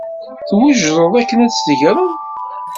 Twejdeḍ akken ad t-tegreḍ?